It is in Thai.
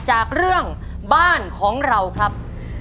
จากเรื่องบ้านของเราครับ